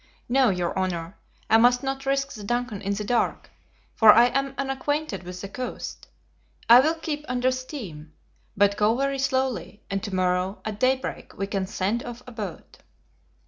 "No, your honor, I must not risk the DUNCAN in the dark, for I am unacquainted with the coast. I will keep under steam, but go very slowly, and to morrow, at daybreak, we can send off a boat."